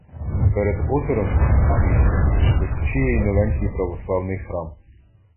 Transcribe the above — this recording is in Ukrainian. Перед озером, звісно, височіє й новенький православний храм